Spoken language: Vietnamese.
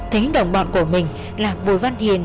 thấy đồng bọn của mình là bùi văn hiền